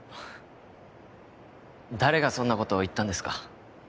誰がそんなことを言ったんですか？